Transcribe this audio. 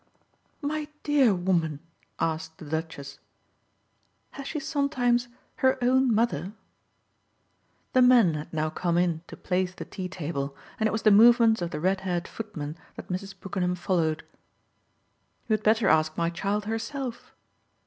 "My dear woman," asked the Duchess, "has she sometimes her own mother?" The men had now come in to place the tea table, and it was the movements of the red haired footman that Mrs. Brookenham followed. "You had better ask my child herself."